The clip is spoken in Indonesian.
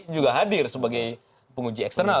juga hadir sebagai penguji eksternal